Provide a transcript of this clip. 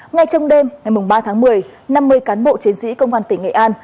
ngay trong đêm ngày ba tháng một mươi năm mươi cán bộ chiến sĩ công an tỉnh nghệ an